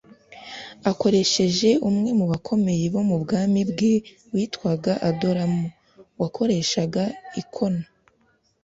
akoresheje umwe mu bakomeye bo mu bwami bwe witwaga adoramu wakoreshaga ikoro